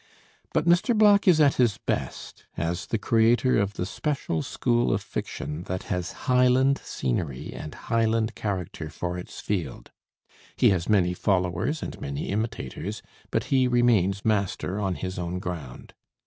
But Mr. Black is at his best as the creator of the special school of fiction that has Highland scenery and Highland character for its field. He has many followers and many imitators, but he remains master on his own ground.